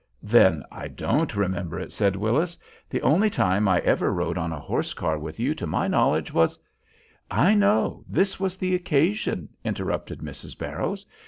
"Then I don't remember it," said Willis. "The only time I ever rode on a horse car with you to my knowledge was " "I know; this was the occasion," interrupted Mrs. Barrows.